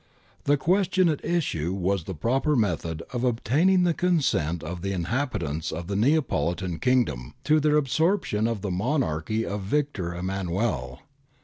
The question at issue was the proper method of obtaining the consent of the in habitants of the Neapolitan Kingdom to their absorption in the Monarchy of Victor Emmanuel.